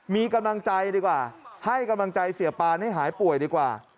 มีกำลังใจดีกว่าให้กำลังใจเสียปานให้หายป่วยดีกว่า